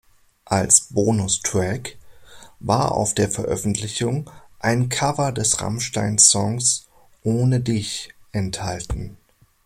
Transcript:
Als Bonustrack war auf der Veröffentlichung ein Cover des Rammstein-Songs "Ohne dich" enthalten.